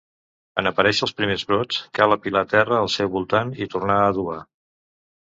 En aparèixer els primers brots, cal apilar terra al seu voltant i tornar a adobar.